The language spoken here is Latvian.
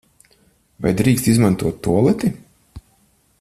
Vai drīkst izmantot tualeti?